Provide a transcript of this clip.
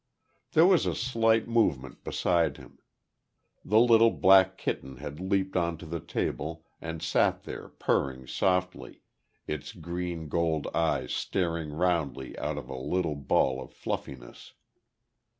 There was a slight movement beside him. The little black kitten had leaped on to the table, and sat there purring softly, its green gold eyes staring roundly out of a little ball of fluffiness.